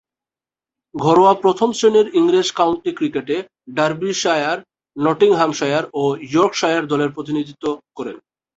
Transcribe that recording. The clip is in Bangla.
ঘরোয়া প্রথম-শ্রেণীর ইংরেজ কাউন্টি ক্রিকেটে ডার্বিশায়ার, নটিংহ্যামশায়ার ও ইয়র্কশায়ার দলের প্রতিনিধিত্ব করেন।